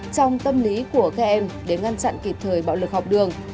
trong tâm lý của các em để ngăn chặn kịp thời bạo lực học đường